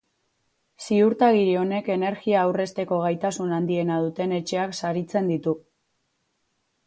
Ziurtagiri honek energia aurrezteko gaitasun handiena duten etxeak saritzen ditu.